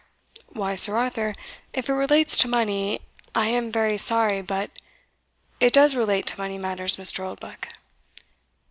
"Why, Sir Arthur, if it relates to money, I am very sorry, but" "It does relate to money matters, Mr. Oldbuck."